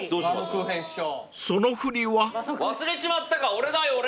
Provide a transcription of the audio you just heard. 忘れちまったか俺だよ俺。